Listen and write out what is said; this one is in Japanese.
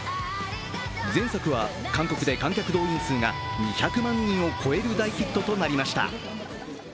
前作は韓国で観客動員数が２００万人を超える大ヒットとなりました。